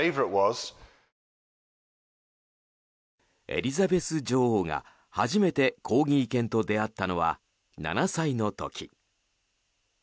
エリザベス女王が初めてコーギー犬と出会ったのは７歳の時。